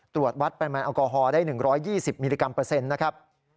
ตรวจวัดปริมาณแอลกอฮอล์ได้๑๒๐มิลลิกรัมเปอร์เซ็นต์นะครับ